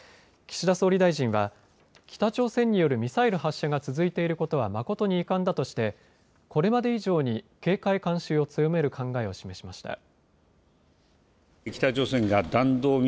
岸田総理大臣は北朝鮮によるミサイル発射が続いていることは誠に遺憾だとしてこれまで以上に警戒監視を強める考えを示しました。